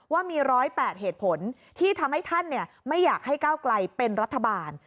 ว่ามี๑๐๘เหตุผลที่ทำให้ท่านไม่อยากให้ก้าวไกลเป็นรัฐบาล